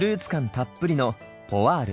たっぷりのポワール。